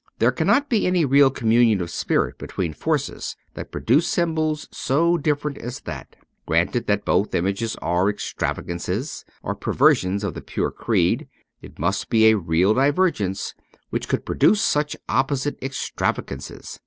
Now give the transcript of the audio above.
There cannot be any real community of spirit between forces that produced symbols so different as that. Granted that both images are extra vagances, are perversions of the pure creed, it must be a real divergence which could produce such opposite extravagances.